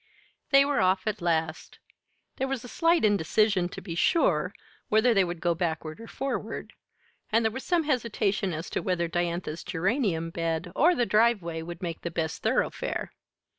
They were off at last. There was a slight indecision, to be sure, whether they would go backward or forward, and there was some hesitation as to whether Diantha's geranium bed or the driveway would make the best thoroughfare.